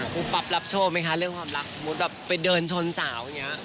ปั๊บรับโชคไหมคะเรื่องความรักสมมุติแบบไปเดินชนสาวอย่างนี้